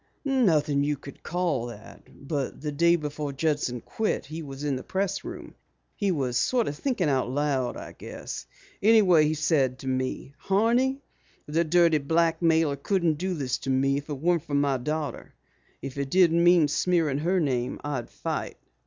"Nothing you could call that. But the day before Judson quit he was in the pressroom. He was sort of thinking out loud, I guess. Anyhow he said to me, 'Horney, the dirty blackmailer couldn't do this to me if it weren't for my daughter. If it didn't mean smearing her name, I'd fight!'"